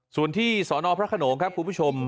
ส่วนที่สนพระโข่สผมคุณผู้ชม